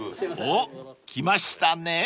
［おっ来ましたね］